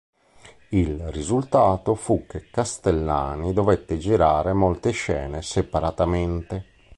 Il risultato fu che Castellani dovette girare molte scene separatamente.